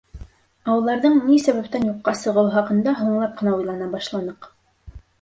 Ә уларҙың ни сәбәптән юҡҡа сығыуы хаҡында һуңлап ҡына уйлана башланыҡ.